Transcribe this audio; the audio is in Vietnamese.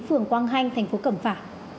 phường quang hanh thành phố cẩm phả